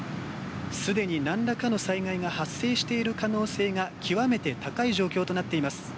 すでになんらかの災害が発生している可能性が極めて高い状況となっています。